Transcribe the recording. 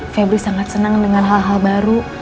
febri sangat senang dengan hal hal baru